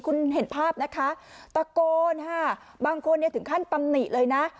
คุณเห็นภาพนะคะตะโกนค่ะบางคนเนี่ยถึงขั้นตำหนิเลยนะ